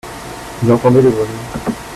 Il entendait les grenouilles.